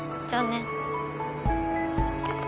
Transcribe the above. じゃあね。